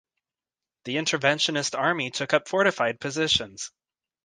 The interventionist army took up fortified positions.